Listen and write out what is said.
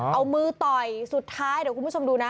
เอามือต่อยสุดท้ายเดี๋ยวคุณผู้ชมดูนะ